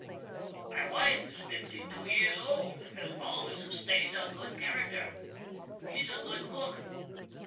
My wife is 52 years old, and has allus sustained a good character. She's a good cook.